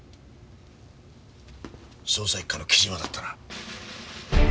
捜査一課の木島だったな。